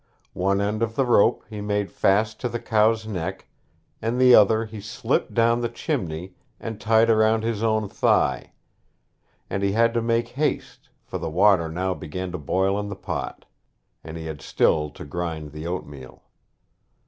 One end of the rope he made fast to the cow's neck and the other he slipped down the chimney and tied round his own thigh; and he had to make haste, for the water now began to boil in the pot, and he had still to grind the oatmeal.